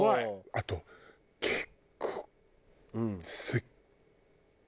あと結構。